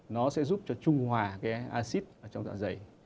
nó sẽ giúp cho trung hòa cái acid ở trong dạ dày